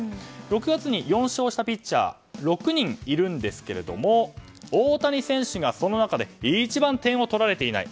６月に４勝したピッチャー６人いるんですが大谷選手がその中で一番点を取られていない。